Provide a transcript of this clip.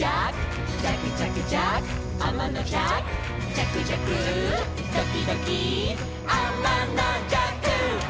「じゃくじゃくドキドキあまのじゃく」